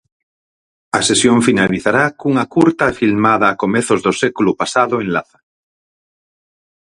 A sesión finalizará cunha curta filmada a comezos do século pasado en Laza.